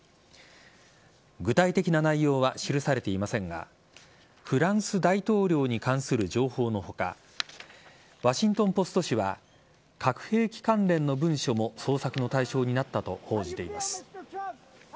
具体的な内容は記されていませんがフランス大統領に関する情報の他ワシントン・ポスト紙は核兵器関連の文書も捜索の対象になったと報じています。